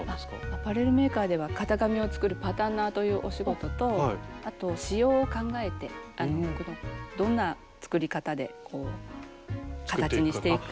アパレルメーカーでは型紙を作るパタンナーというお仕事とあと仕様を考えて服のどんな作り方で形にしていくかということを。